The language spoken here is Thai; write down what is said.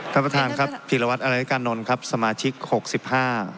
ท่านประธานครับพีรวัตรอะไรกานนท์ครับสมาชิกหกสิบห้า